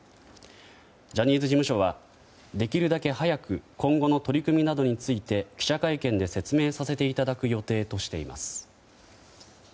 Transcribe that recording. ジャニーズ事務所はできるだけ早く今後の取り組みなどについて記者会見で説明させていただく予定としています。